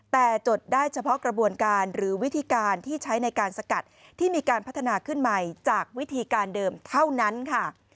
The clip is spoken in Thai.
แต่จดได้เฉพาะกระบวนการหรือวิธีการที่ใช้ในการสกัดที่มีการพัฒนาขึ้นใหม่จากวิธีการเดิมเท่านั้นค่ะ